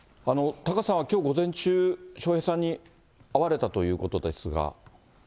タカさんはきょう午前中、笑瓶さんに会われたということですが。